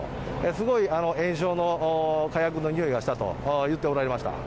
すごいえんしょうの火薬のにおいがしたと言っておられました。